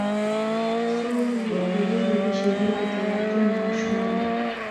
څووړې، وړې شیبې لکه یتیمې ماشومانې